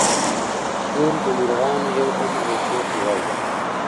ګور د مرغانو يو دم الوتو ته وايي.